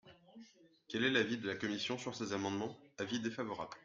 Quel est l’avis de la commission sur ces amendements ? Avis défavorable.